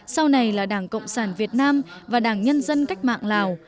sau này là đảng cộng sản việt nam và đảng nhân dân cách mạng lào